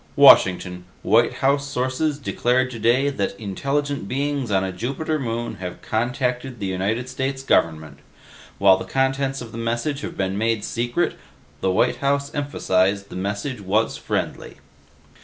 "Washington: White House sources declared today that intelligent beings on a Jupiter moon have contacted the United States government. While the contents of the message have been made secret, the White House emphasized the message was friendly."